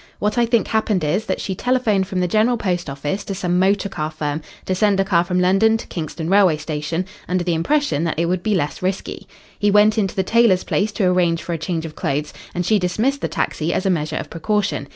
What I think happened is, that she telephoned from the General Post Office to some motor car firm to send a car from London to Kingston railway station, under the impression that it would be less risky. He went into the tailor's place to arrange for a change of clothes, and she dismissed the taxi as a measure of precaution.